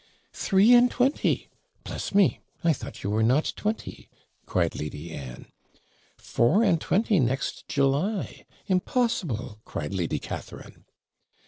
'Three and twenty! Bless me! I thought you were not twenty!' cried Lady Anne. 'Four and twenty next July! impossible!' cried Lady Catharine.